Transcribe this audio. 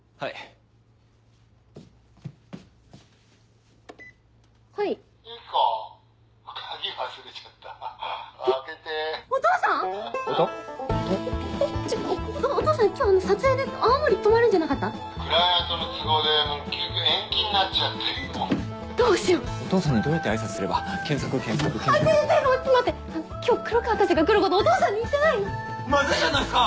マズいじゃないっすか！